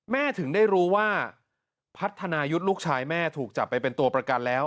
ถึงได้รู้ว่าพัฒนายุทธ์ลูกชายแม่ถูกจับไปเป็นตัวประกันแล้ว